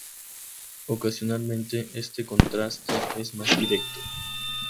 Ocasionalmente, este contraste es más directo.